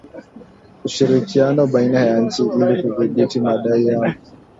Ushirikiano baina ya nchi ili kuthibitisha madai hayo